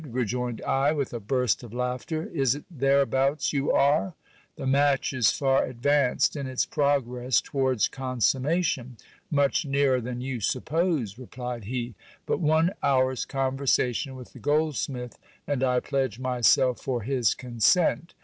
rejoined I with a burst of laughter ; is it thereabouts you are ? The match is far advanced in its progress towards consummation. Much nearer tl an you suppose, replied he. But one hour's conversation with the goldsmith, j and I pledge myself for his consent.